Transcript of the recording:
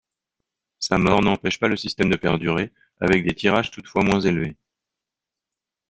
Sa mort n’empêche pas le système de perdurer, avec des tirages toutefois moins élevés.